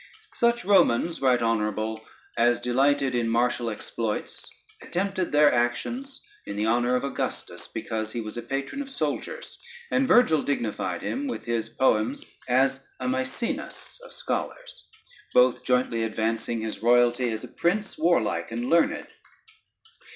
Such Romans, right honorable, as delighted in martial exploits, attempted their actions in the honor of Augustus, because he was a patron of soldiers: and Vergil dignified him with his poems, as a Maecenas of scholars; both jointly advancing his royalty, as a prince warlike and learned.